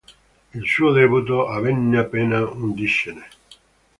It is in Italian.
Il suo debutto avvenne appena undicenne.